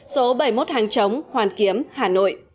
số bảy mươi một hàng chống hoàn kiếm hà nội